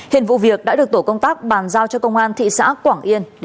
hiện vụ việc đã được tổ công tác bàn giao cho công an thị xã quảng yên để xác minh xử lý